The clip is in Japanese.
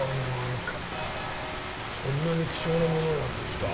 そんなに貴重なものなんですか？